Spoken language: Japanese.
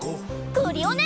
クリオネ！